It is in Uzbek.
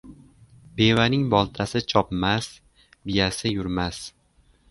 • Bevaning boltasi chopmas, biyasi yurmas.